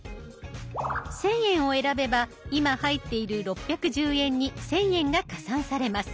１，０００円を選べば今入っている６１０円に１，０００円が加算されます。